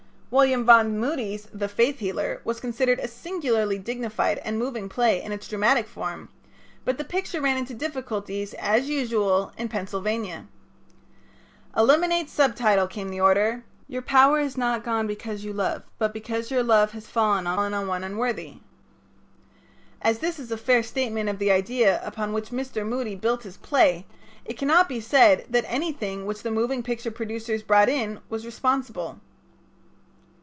'" William Vaughn Moody's "The Faith Healer" was considered a singularly dignified and moving play in its dramatic form, but the picture ran into difficulties, as usual, in Pennsylvania. "Eliminate subtitle," came the order: "'Your power is not gone because you love but because your love has fallen on one unworthy.'" As this is a fair statement of the idea upon which Mr. Moody built his play, it cannot be said that anything which the moving picture producers brought in was responsible.